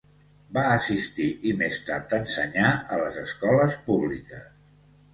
Va assistir i més tard ensenyar a les escoles públiques.